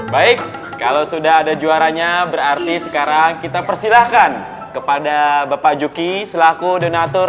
baik kalau sudah ada juaranya berarti sekarang kita persilahkan kepada bapak juki selaku donatur